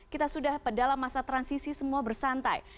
kita sudah dalam masa transisi semua bersantai